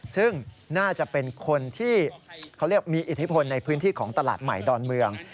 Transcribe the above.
ซึ่งน่าจะเป็นคนที่เขาเรียกมีอิทธิพลในพื้นที่ของตลาดใหม่ดอนเมือง